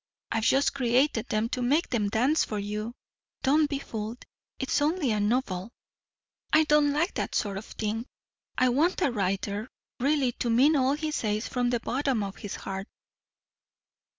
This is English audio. I've just created them to make them dance for you. Don't be fooled it's only a novel.' I don't like that sort of thing. I want a writer really to mean all he says from the bottom of his heart."